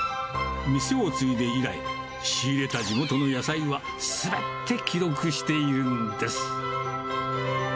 店を継いで以来、仕入れた地元の野菜はすべて記録しているんです。